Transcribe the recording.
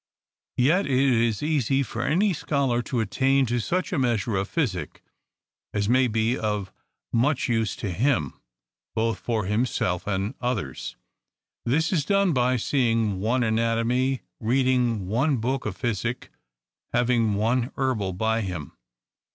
Yet it is easy for any scholar to attain to such a measure of physic, as may be of much use to him, both for himself and others. This is done by seeing one anatomy, reading one book of physic, having one herbal by him.